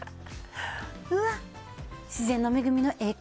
うわっ、自然の恵みのええ